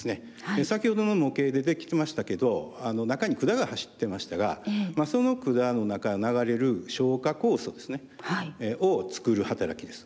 先ほどの模型で出てきてましたけど中に管が走ってましたがその管の中を流れる消化酵素ですねを作る働きです。